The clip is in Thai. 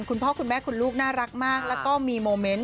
คุณพ่อคุณแม่คุณลูกน่ารักมากแล้วก็มีโมเมนต์